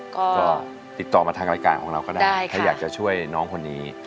ก็ติดต่อมาทางรายการของเราก็ได้ถ้าอยากจะช่วยน้องคนนี้